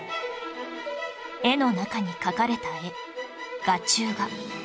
絵の中に描かれた絵画中画